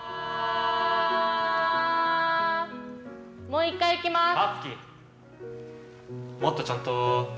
もう１回、行きます。